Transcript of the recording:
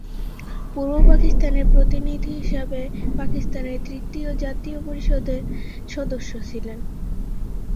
পুর্ব পাকিস্তানের প্রতিনিধি হিসাবে পাকিস্তানের তৃতীয় জাতীয় পরিষদের সদস্য ছিলেন।